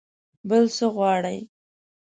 بل څه غواړئ؟